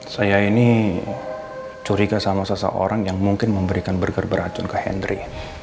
saya ini curiga sama seseorang yang mungkin memberikan burger beracun ke hendry